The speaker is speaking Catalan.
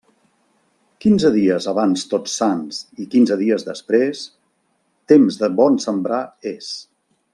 Quinze dies abans Tots Sants i quinze dies després, temps de bon sembrar és.